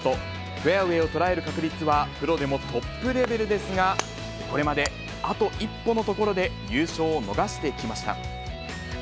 フェアウェイを捉える確率はプロでもトップレベルですが、これまであと一歩のところで優勝を逃してきました。